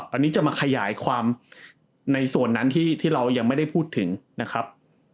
อันนี้จะมาขยายความในส่วนนั้นที่เรายังไม่ได้พูดถึงนะครับ